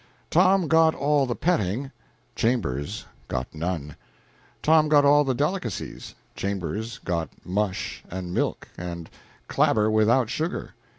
Tom got all the petting, Chambers got none. Tom got all the delicacies, Chambers got mush and milk, and clabber without sugar.